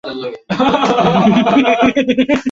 কিছুদিন থেকে বারে বারে মনে হচ্ছে আমার দুটো বুদ্ধি আছে।